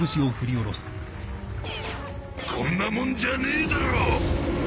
こんなもんじゃねえだろ！